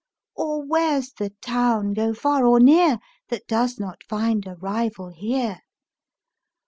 Or where's the town, go far or near, That does not find a rival here?